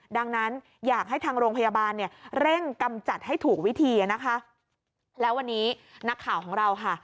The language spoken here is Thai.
ดังนั้นอยากให้ทางโรงพยาบาลเนี่ยเร่งกำจัดให้ถูกวิธีนะคะแล้ววันนี้นักข่าวของเราค่ะ